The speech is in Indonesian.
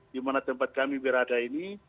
di mana tempat kami berada ini